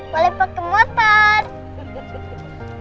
boleh pake motor